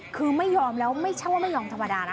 คือไม่ยอมแล้วไม่ใช่ว่าไม่ยอมธรรมดานะ